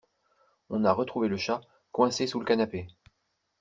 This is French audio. On a retrouvé le chat, coincé sous le canapé.